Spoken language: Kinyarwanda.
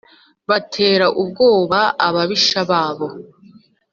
Batere ubwoba ababisha babo